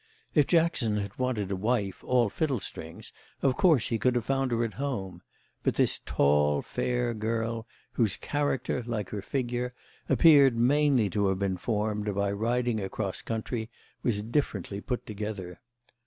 If Jackson had wanted a wife all fiddlestrings of course he could have found her at home; but this tall fair girl, whose character, like her figure, appeared mainly to have been formed by riding across country, was differently put together.